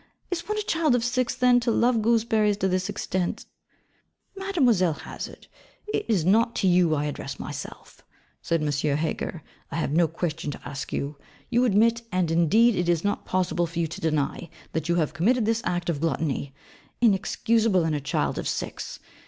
Is one a child of six then, to love gooseberries to this extent?' 'Mlle. Hazard, it is not to you I address myself,' said M. Heger. 'I have no question to ask you. You admit, and indeed it is not possible for you to deny, that you have committed this act of gluttony inexcusable in a child of six.